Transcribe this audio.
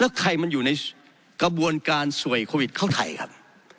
แล้วใครมันอยู่ในกระบวนการสวยโควิดเข้าไทยครับ